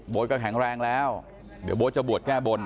ก็แข็งแรงแล้วเดี๋ยวโบ๊ทจะบวชแก้บน